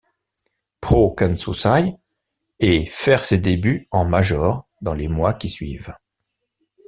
Pro Kenshusei, et faire ses débuts en major dans les mois qui suivent.